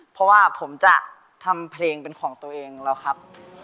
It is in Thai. เพราะว่าผมจะทำเพลงเป็นของตัวเองแล้วครับ